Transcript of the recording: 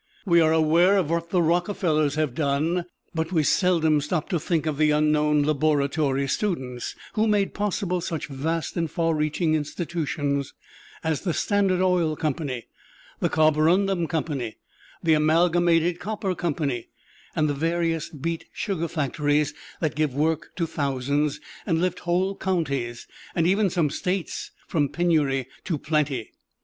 We are aware of what the Rockfellers have done, but we seldom stop to think of the unknown laboratory students, who made possible such vast and far reaching institutions as the Standard Oil Company, the Carborundum Company, the Amalgamated Copper Company, and the various beet sugar factories, that give work to thousands, and lift whole counties, and even some States, from penury to plenty.